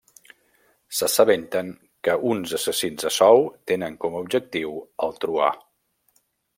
S'assabenten que uns assassins a sou tenen com a objectiu el truà.